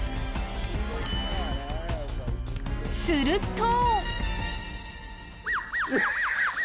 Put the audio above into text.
すると。